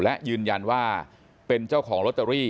และยืนยันว่าเป็นเจ้าของลอตเตอรี่